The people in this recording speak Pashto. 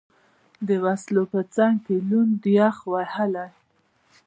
د وسلو په څنګ کې، لوند، یخ وهلی.